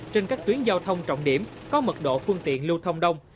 trên các tuyến giao thông trọng điểm có mật độ phương tiện lưu thông đông